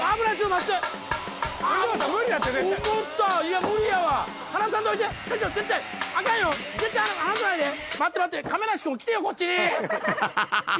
待って待って、亀梨君、来てよ、こっち。